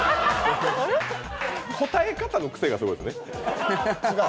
答え方の癖がすごいですね。